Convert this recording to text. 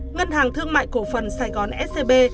ngân hàng thương mại cổ phần sài gòn scb